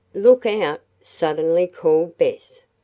"Look out!" suddenly called Bess.